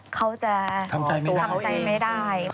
เขาจะทำใจไม่ได้